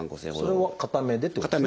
それは片目でってことですね？